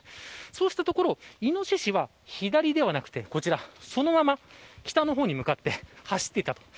そうしたところイノシシは左ではなくそのまま北の方に向かって走っていったと。